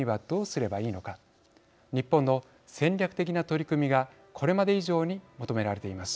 日本の戦略的な取り組みがこれまで以上に求められています。